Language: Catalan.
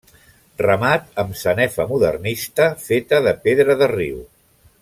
Remat amb sanefa modernista, feta de pedra de riu.